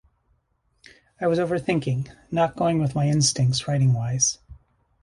I was over-thinking, not going with my instincts writing-wise.